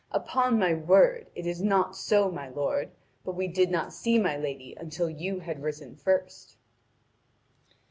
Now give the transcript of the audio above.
Upon my word, it is not so, my lord; but we did not see my lady until you had risen first."